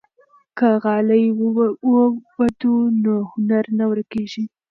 که غالۍ ووبدو نو هنر نه ورکيږي.